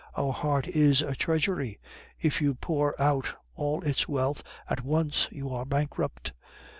Our heart is a treasury; if you pour out all its wealth at once, you are bankrupt.